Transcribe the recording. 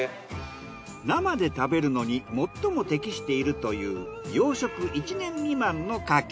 生で食べるのに最も適しているという養殖１年未満の牡蠣。